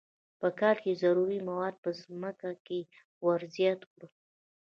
په کال کې ضروري مواد په ځمکه کې ور زیات کړو.